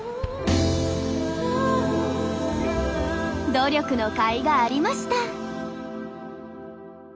努力のかいがありました。